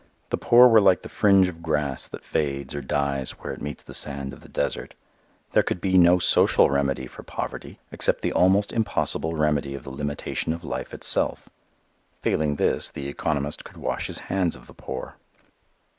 The poor were like the fringe of grass that fades or dies where it meets the sand of the desert. There could be no social remedy for poverty except the almost impossible remedy of the limitation of life itself. Failing this the economist could wash his hands of the poor.